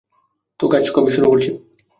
তো, কাজ কবে শুরু করছি?